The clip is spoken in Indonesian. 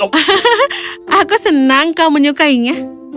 hahaha aku senang kau menyukainya